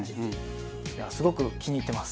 いやすごく気に入ってます。